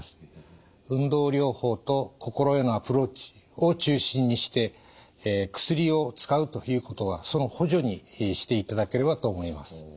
運動療法と心へのアプローチを中心にして薬を使うということはその補助にしていただければと思います。